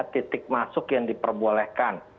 titik masuk yang diperbolehkan